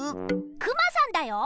クマさんだよ！